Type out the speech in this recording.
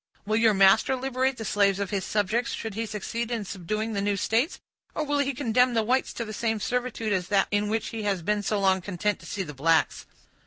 Will your master liberate the slaves of his subjects should he succeed in subduing the new states, or will he condemn the whites to the same servitude as that in which he has been so long content to see the blacks?